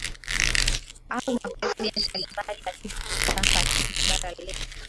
au mapresident mbali mbali katika katika bara letu